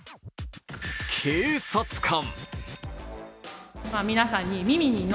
警察官。